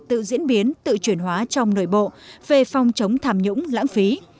tự diễn biến tự chuyển hóa trong nội bộ về phòng chống tham nhũng lãng phí